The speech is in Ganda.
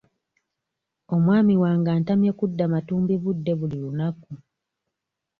Omwami wange antamye kudda matumbi budde buli lunaku.